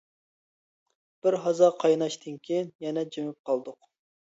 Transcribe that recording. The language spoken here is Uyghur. بىرھازا قايناشتىن كېيىن، يەنە جىمىپ قالدۇق.